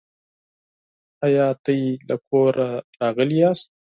آیا تاسو له کوره راغلي یاست؟